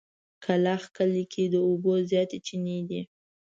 کلاخ کلي کې د اوبو زياتې چينې دي.